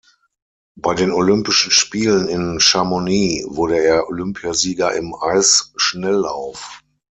Bei den Olympischen Spielen in Chamonix wurde er Olympiasieger im Eisschnelllauf.